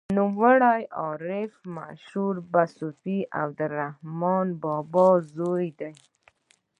نومیالی عارف مشهور صوفي عبدالرحمان بابا زوی دی.